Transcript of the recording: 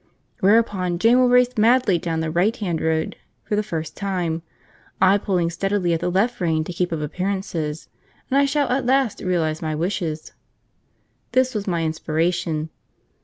Whereupon Jane will race madly down the right hand road for the first time, I pulling steadily at the left rein to keep up appearances, and I shall at last realise my wishes." This was my inspiration.